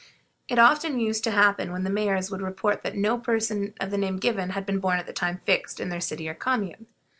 It often used to happen that the mayors would report that no person of the name given had been born at the time fixed in their city or commune.